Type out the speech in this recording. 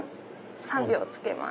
３秒つけます。